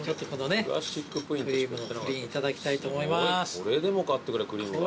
これでもかってくらいクリームが。